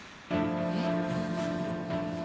えっ！？